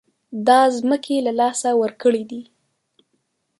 دا ځمکې له لاسه ورکړې دي.